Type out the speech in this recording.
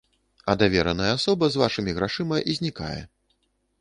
А давераная асоба з вашымі грашыма знікае.